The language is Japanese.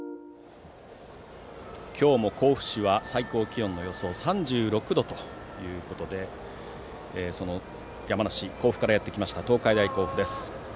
今日も甲府市は最高気温の予想が３６度ということで山梨・甲府からやってきた東海大甲府です。